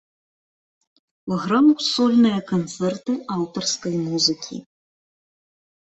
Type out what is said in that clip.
Граў сольныя канцэрты аўтарскай музыкі.